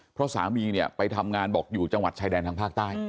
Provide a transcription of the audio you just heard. เพราะสามีเนี่ยไปทำงานบอกอยู่จังหวัดชายแดนทางภาคใต้